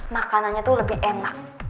makanannya tuh lebih enak